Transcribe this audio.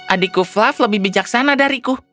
adikku fluff lebih bijaksana dariku